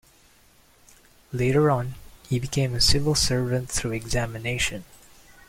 Later on, he became a civil servant through examination.